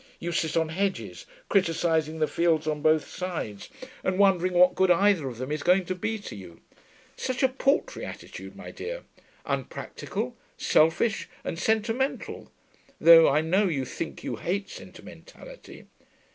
'You sit on hedges, criticising the fields on both sides and wondering what good either of them is going to be to you. Such a paltry attitude, my dear! Unpractical, selfish, and sentimental; though I know you think you hate sentimentality.